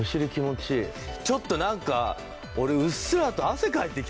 ちょっとなんか俺うっすらと。